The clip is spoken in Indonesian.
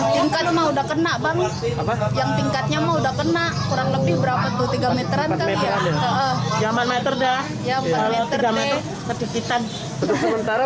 di dulu deh sampai ada tempat pengungsiannya